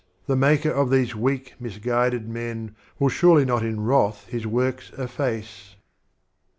The Maker of these weak misguided Men, Will surely not in Wrath His Works efface.